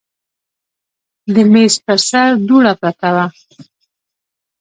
د میز پر سر دوړه پرته وه.